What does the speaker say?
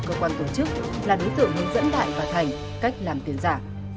cơ quan tổ chức là đối tượng hướng dẫn đại và thành cách làm tiền giả